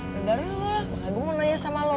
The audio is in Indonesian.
biar dari lo lah makanya gue mau nanya sama lo